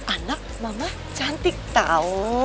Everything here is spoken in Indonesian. anak mama cantik tau